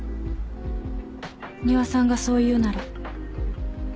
仁和さんがそう言うなら。